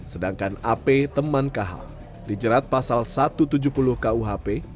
sedangkan ap teman kh dijerat pasal satu ratus tujuh puluh kuhp